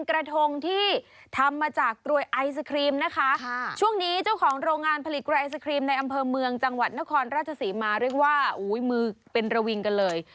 ราชศรีมาเรียกว่าอุ้ยมือเป็นระวิงกันเลย